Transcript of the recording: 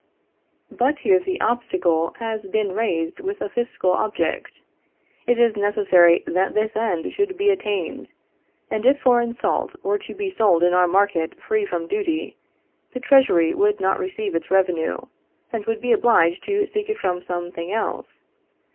But here the obstacle has been raised with a fiscal object. It is necessary that this end should be attained; and if foreign salt were to be sold in our market free from duty, the treasury would not receive its revenue, and would be obliged to seek it from some thing else.